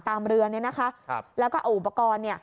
เรือเนี่ยนะคะแล้วก็เอาอุปกรณ์เนี่ย